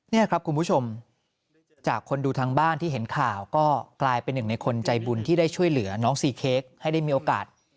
นี่ครับคุณผู้ชมจากคนดูทางบ้านที่เห็นข่าวก็กลายเป็นหนึ่งในคนใจบุญที่ได้ช่วยเหลือน้องซีเค้กให้ได้มีโอกาส